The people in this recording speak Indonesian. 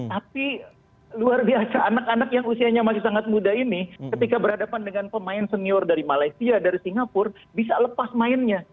tapi luar biasa anak anak yang usianya masih sangat muda ini ketika berhadapan dengan pemain senior dari malaysia dari singapura bisa lepas mainnya